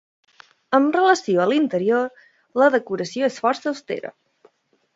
Amb relació a l'interior, la decoració és força austera.